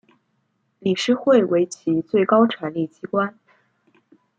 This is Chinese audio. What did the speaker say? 理事会为其最高权力机关。